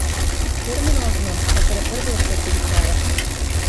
كۆرمىدىڭىزمۇ تاتىرىپ بىر بولۇپ كەتتى بىچارە.